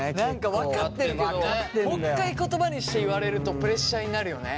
分かってるけどもう一回言葉にして言われるとプレッシャーになるよね。